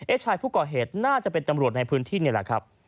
ชายผู้ก่อเหตุน่าจะเป็นตำรวจในพื้นที่นี่แหละครับ